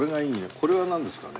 これはなんですかね？